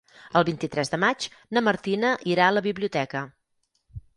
El vint-i-tres de maig na Martina irà a la biblioteca.